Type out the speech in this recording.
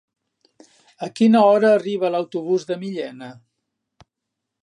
A quina hora arriba l'autobús de Millena?